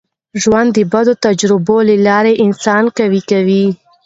ژوند د بدو تجربو له لاري انسان قوي کوي.